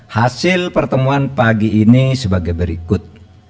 hasil pertemuan pagi ini sebagai berikut